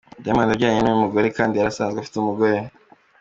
Diamond yabyaranye n’uyu mugore kandi yari asanzwe afite umugore